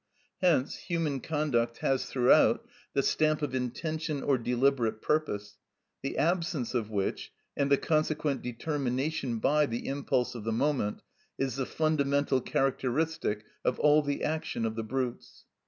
Hence human conduct has throughout the stamp of intention or deliberate purpose, the absence of which, and the consequent determination by the impulse of the moment, is the fundamental characteristic of all the action of the brutes.